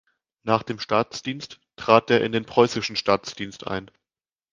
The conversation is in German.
Nach dem Staatsdienst trat er in den preußischen Staatsdienst ein.